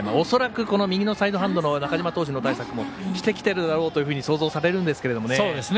恐らく右のサイドハンドの中嶋投手の対策もしてきてるだろうというふうに想像されるんですけどね。